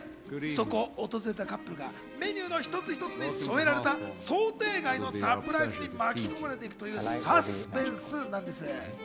そこを訪れたカップルがメニューの一つ一つに添えられた想定外のサプライズに巻き込まれていくというサスペンスなんです。